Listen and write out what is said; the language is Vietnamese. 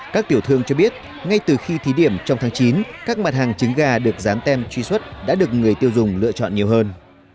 các tiểu thương cho biết ngay từ khi thí điểm trong tháng chín các mặt hàng trứng gà được rán tem truy xuất đã được người tiêu dùng lựa chọn nhiều hơn